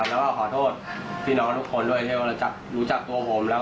แล้วก็ขอโทษพี่น้องทุกคนด้วยที่ว่ารู้จักตัวผมแล้ว